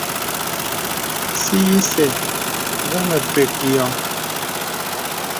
Sì isɛ̂ və mə pək yɔŋ.